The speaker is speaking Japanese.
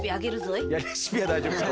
いやレシピは大丈夫です。